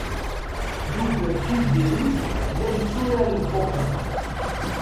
Yuba d Tiziri llan ttṛaṛen poker.